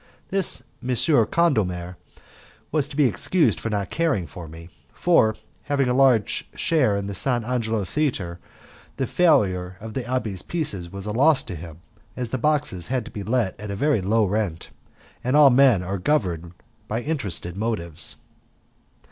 This M. Condulmer was to be excused for not caring for me, for, having a large share in the St. Angelo Theatre, the failure of the abbé's pieces was a loss to him, as the boxes had to be let at a very low rent, and all men are governed by interested motives.